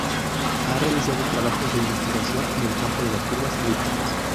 Ha realizado trabajos de investigación en el campo de las curvas elípticas.